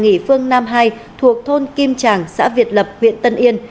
nghỉ phương nam hai thuộc thôn kim tràng xã việt lập huyện tân yên